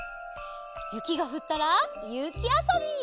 ゆきがふったらゆきあそび。